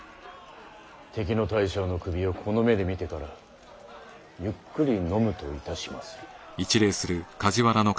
敵の大将の首をこの目で見てからゆっくり飲むといたしまする。